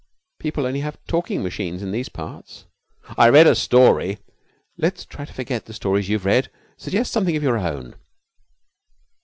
'People only have talking machines in these parts.' 'I read a story ' 'Let's try to forget the stories you've read. Suggest something of your own.'